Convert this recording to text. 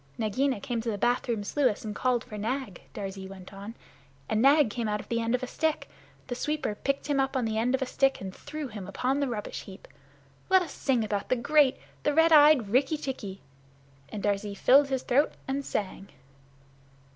"Nagaina came to the bathroom sluice and called for Nag," Darzee went on, "and Nag came out on the end of a stick the sweeper picked him up on the end of a stick and threw him upon the rubbish heap. Let us sing about the great, the red eyed Rikki tikki!" And Darzee filled his throat and sang.